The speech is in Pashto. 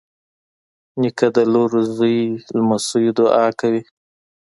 نیکه د لور، زوی، لمسيو دعا کوي.